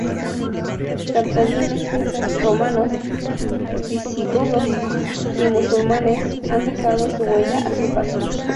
Cartagineses, romanos, visigodos y musulmanes han dejado su huella a su paso.